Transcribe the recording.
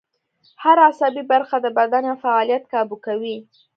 هر عصبي برخه د بدن یو فعالیت کابو کوي